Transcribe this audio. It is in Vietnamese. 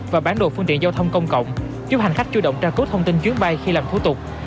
và bản đồ phương tiện giao thông công cộng giúp hành khách chú động tra cứu thông tin chuyến bay khi làm thủ tục